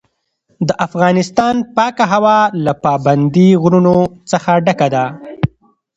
د افغانستان پاکه هوا له پابندي غرونو څخه ډکه ده.